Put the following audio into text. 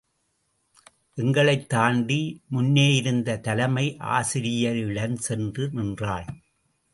எங்களைத் தாண்டி முன்னேயிருந்த தலைமை ஆசிரியையிடஞ் சென்று நின்றாள்.